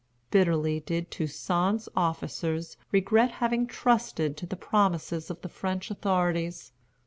Bitterly did Toussaint's officers regret having trusted to the promises of the French authorities.